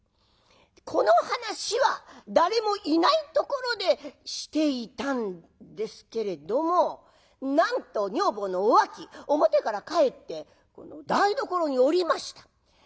この話は誰もいないところでしていたんですけれどもなんと女房のおあき表から帰って台所におりました。